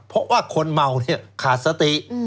เพราะว่าคนเมาเนี่ยขาดสติ